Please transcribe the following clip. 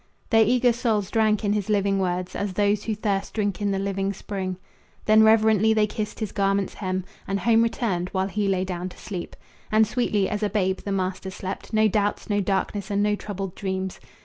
Their eager souls drank in his living words As those who thirst drink in the living spring. Then reverently they kissed his garment's hem, And home returned, while he lay down to sleep. And sweetly as a babe the master slept No doubts, no darkness, and no troubled dreams.